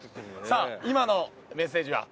さあ今のメッセージは？